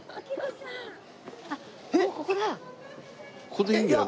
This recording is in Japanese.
ここでいいんだよな？